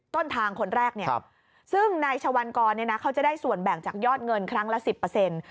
ต้นทางคนแรกเนี่ยซึ่งนายชวัลกรเนี่ยนะเขาจะได้ส่วนแบ่งจากยอดเงินครั้งละสิบเปอร์เซ็นต์